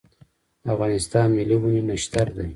د افغانستان ملي ونې نښتر دی